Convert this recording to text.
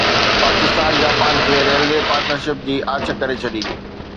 Pakistan Japan کي railway partnership جي آڇ ڪري ڇڏي